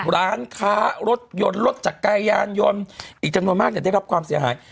ร้านค้ารถยนต์รถจักรยานยนต์อีกจำนวนมากเนี่ยได้รับความเสียหาย